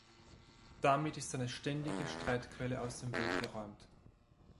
Damit ist eine ständige Streitquelle aus dem Weg geräumt.